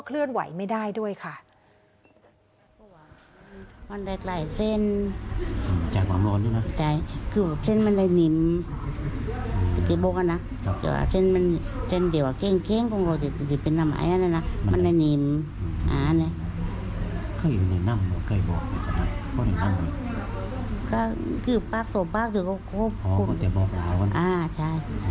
แล้วก็เคลื่อนไหวไม่ได้ด้วยค่ะ